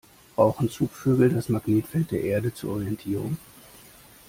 Brauchen Zugvögel das Magnetfeld der Erde zur Orientierung?